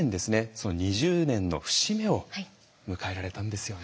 その２０年の節目を迎えられたんですよね。